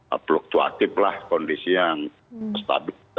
aplukatif lah kondisi yang stabil